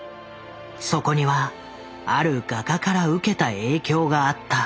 そこにはある画家から受けた影響があった。